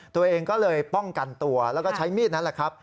ตัวเองก็เลยป้องกันตัวแล้วก็ใช้มีดนั้นแหละครับ